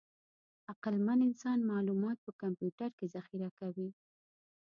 عقلمن انسان معلومات په کمپیوټر کې ذخیره کوي.